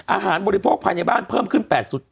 อาหารบริโภคภายในบ้านเพิ่มขึ้น๘๗๑